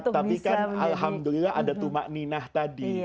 tapi kan alhamdulillah ada tumak ninah tadi